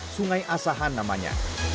sungai asahan namanya